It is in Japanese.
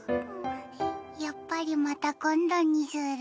やっぱりまた今度にする。